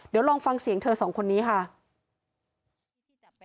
เดี๋ยวลองฟังเสียงเธอสองคนนี้ค่ะ